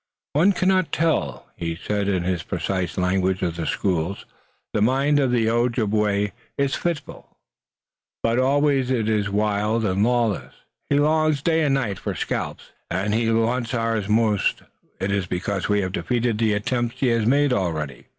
"One cannot tell," he said in his precise language of the schools. "The mind of the Ojibway is a fitful thing, but always it is wild and lawless. He longs, night and day, for scalps, and he covets ours most. It is because we have defeated the attempts he has made already."